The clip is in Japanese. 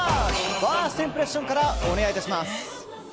ファーストインプレッションからお願いいたします。